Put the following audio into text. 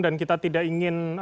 dan kita tidak ingin